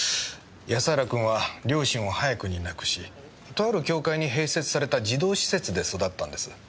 安原君は両親を早くに亡くしとある教会に併設された児童施設で育ったんです。